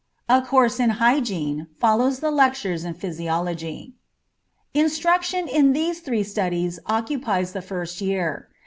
A course in hygiene follows the lectures in physiology. Instruction in these three studies occupies the first year.